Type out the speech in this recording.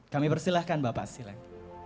kami persilahkan bapak sileng